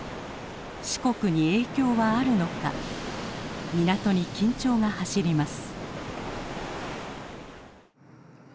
四国に影響はあるのか港に緊張が走ります。